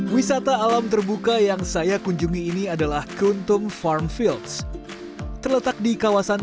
wisata alam terbuka yang saya kunjungi ini adalah keruntung farm fields terletak di kawasan